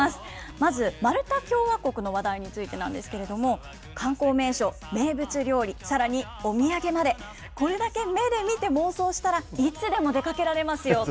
まずマルタ共和国の話題についてなんですけれども、観光名所、名物料理、さらにお土産まで、これだけ目で見て妄想したら、いつでも出かけられますよ。